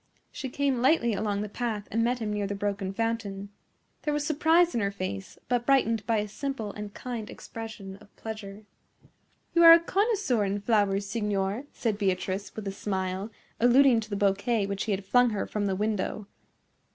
She came lightly along the path and met him near the broken fountain. There was surprise in her face, but brightened by a simple and kind expression of pleasure. "You are a connoisseur in flowers, signor," said Beatrice, with a smile, alluding to the bouquet which he had flung her from the window.